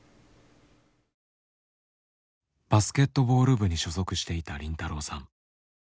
バスケットボール部に所属していた凜太郎さん。